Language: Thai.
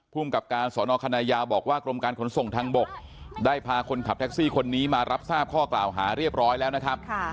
ภูมิกับการสอนอคณะยาวบอกว่ากรมการขนส่งทางบกได้พาคนขับแท็กซี่คนนี้มารับทราบข้อกล่าวหาเรียบร้อยแล้วนะครับ